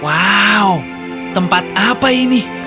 wow tempat apa ini